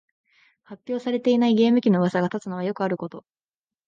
発表されていないゲーム機のうわさが立つのはよくあること